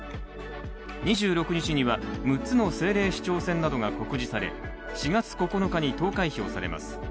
２６日には６つの政令市長選などが告示され４月９日に投開票されます。